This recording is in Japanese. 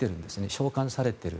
召喚されている。